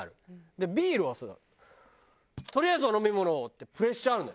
でもビールはさ「とりあえずお飲み物を！」ってプレッシャーあるのよ。